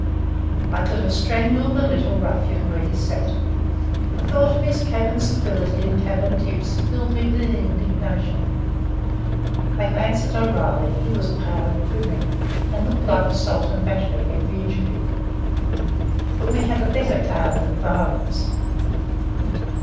I could have strangled the little ruffian where he sat. The thought of his cabin civility and cabin tips filled me with indignation. I glanced at O'Reilly; he was pale and quivering, and looked like assault and battery, every inch of him. But we had a better card than violence.